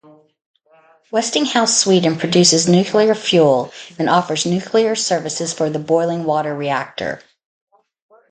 Westinghouse Sweden produces nuclear fuel and offers nuclear services for the Boiling Water Reactor.